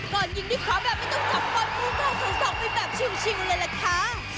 ก่อนยิงที่ขอแบบไม่ต้องจับบอลพูดได้เฉยไปแบบชิวเลยแหละค่ะ